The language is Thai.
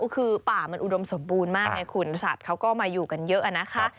คือป่ามันอุดมสมบูรณ์มากไงคุณสัตว์เขาก็มาอยู่กันเยอะนะคะ